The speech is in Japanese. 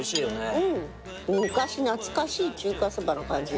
うん昔懐かしい中華そばの感じ。